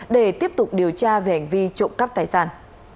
để tiếp tục điều tra về hành vi trộm cắp tài sản